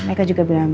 mereka juga bilang